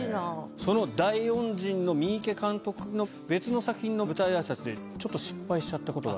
その大恩人の三池監督の別の作品の舞台挨拶でちょっと失敗しちゃったことがあった？